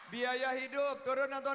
biaya hidup turun atau naik